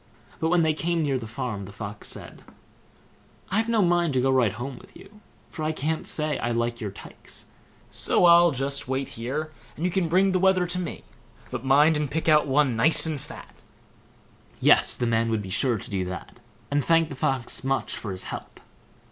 But when they came near the farm, the Fox said: "I've no mind to go right home with you, for I can't say I like your tykes; so I'll just wait here, and you can bring the wether to me, but mind and pick out one nice and fat." Yes! the man would be sure to do that, and thanked the Fox much for his help.